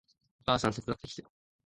お母さん手伝ってきて